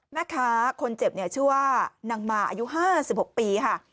แม่ค้าคนเจ็บเนี่ยชื่อว่านางมาอายุ๕๖ปีค่ะ